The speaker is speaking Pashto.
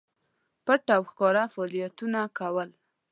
پټ او ښکاره فعالیتونه کول.